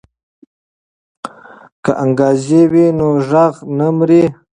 که انګازې وي نو غږ نه مري.